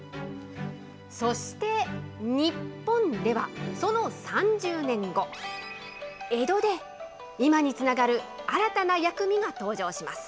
そして日本では、その３０年後、江戸で、今につながる新たな薬味が登場します。